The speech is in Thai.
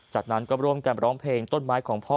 จากนั้นก็ร่วมกันร้องเพลงต้นไม้ของพ่อ